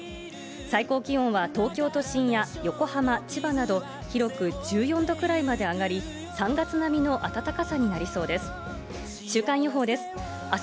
最高気温は東京都心や横浜、千葉など広く１４度くらいまで上がり、３月並みの暖かさになりそうです。